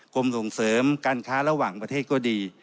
กรมส่งเสริมการค้าระหว่างประเทศก็ดี